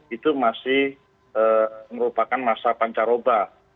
itu masih merupakan masa pancaroba